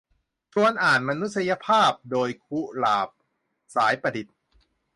ชวนอ่าน "มนุษยภาพ" โดย กุหลาบ สายประดิษฐ์